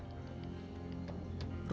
penjara wanita penjara pangeran di jawa tenggara